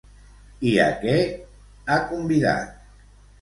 I a què ha convidat?